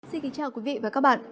xin kính chào quý vị và các bạn